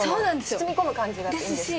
包み込む感じがいいんですか？